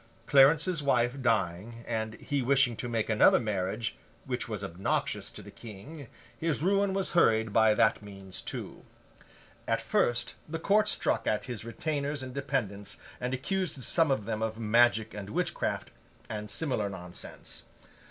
Clarence's wife dying, and he wishing to make another marriage, which was obnoxious to the King, his ruin was hurried by that means, too. At first, the Court struck at his retainers and dependents, and accused some of them of magic and witchcraft, and similar nonsense.